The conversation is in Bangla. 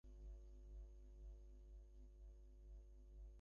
তাই তিন-চার দিনের জন্য যাত্রা স্থগিত রাখলাম।